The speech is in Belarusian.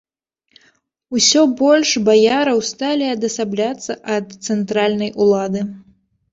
Усё больш баяраў сталі адасабляцца ад цэнтральнай улады.